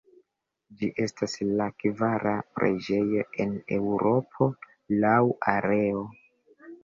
Ĝi estas la kvara preĝejo en Eŭropo laŭ areo.